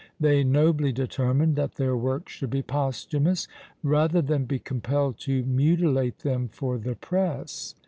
They nobly determined that their works should be posthumous, rather than be compelled to mutilate them for the press.